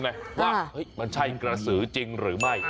ไหมว่ามันใช่กระสือจริงหรือไม่